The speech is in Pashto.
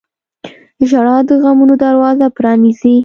• ژړا د غمونو دروازه پرانیزي.